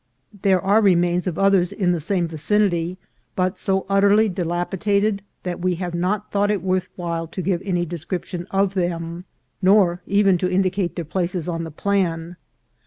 There are remains of others in the same vicinity, but so utterly dilapidated that we have not thought it worth while to give any description of them, nor even to in dicate their places on the plan.